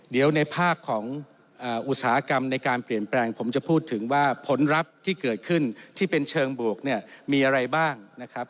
เดี๋ยวในภาคของอุตสาหกรรมในการเปลี่ยนแปลงผมจะพูดถึงว่าผลลัพธ์ที่เกิดขึ้นที่เป็นเชิงบวกเนี่ยมีอะไรบ้างนะครับ